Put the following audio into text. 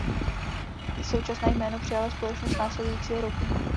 Současné jméno přijala společnost následujícího roku.